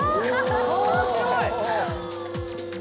面白い！